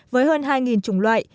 với hơn hai chủng loại